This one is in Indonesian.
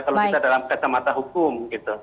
kalau kita dalam kacamata hukum gitu